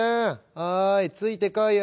「おいついてこいよ」。